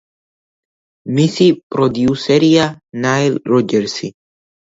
მისი პროდიუსერია ნაილ როჯერსი.